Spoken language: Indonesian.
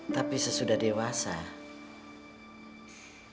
tapi sesudah dewasa dia masih bisa bergabung dengan nana